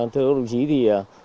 thưa đồng chí